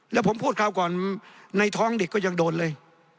แล้วผมพูดคราวก่อนในท้องเด็กก็ยังโดนเลย